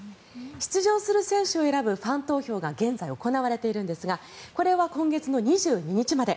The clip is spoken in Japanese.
出場する選手を選ぶファン投票が現在行われているんですがこれは今月２２日まで。